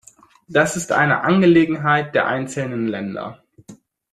Das ist eine Angelegenheit der einzelnen Länder.